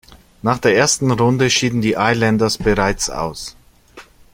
Nach der ersten Runde schieden die Islanders bereits aus.